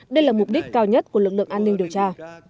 đây là mục đích cao nhất của lực lượng an ninh điều tra